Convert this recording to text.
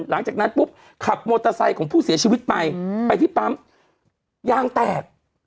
หลังจากนั้นปุ๊บขับมอเตอร์ไซค์ของผู้เสียชีวิตไปไปที่ปั๊มยางแตก